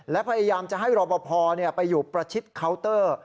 และพยายามจะให้รอปภไปอยู่ประชิดเคาน์เตอร์